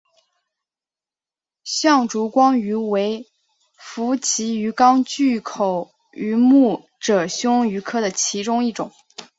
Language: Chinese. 象烛光鱼为辐鳍鱼纲巨口鱼目褶胸鱼科的其中一种。